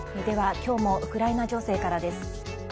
では、きょうもウクライナ情勢からです。